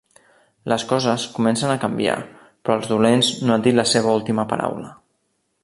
Les coses comencen a canviar, però els dolents no han dit la seva última paraula.